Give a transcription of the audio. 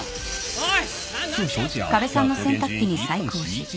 おい！